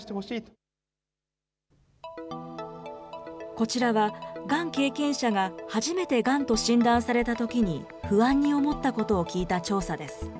こちらは、がん経験者が初めてがんと診断されたときに不安に思ったことを聞いた調査です。